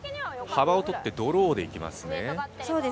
幅をとって、ドローでいきますね。